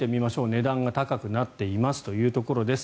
値段が高くなっていますというところです。